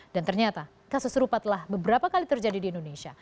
dan ternyata kasus serupa telah beberapa kali terjadi di indonesia